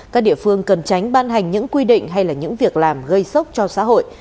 các địa phương cần tránh ban hành những quy định hay là những việc làm gây sốc cho xã hội